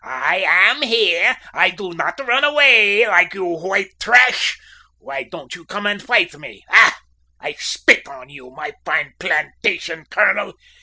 "I am here. I do not run away like your white trash! Why don't you come and fight me? Bah! I spit on you, my fine plantation colonel.